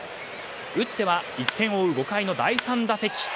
打っては１点を追う５回の第３打席。